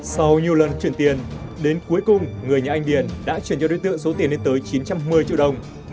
sau nhiều lần chuyển tiền đến cuối cùng người nhà anh điền đã chuyển cho đối tượng số tiền lên tới chín trăm một mươi triệu đồng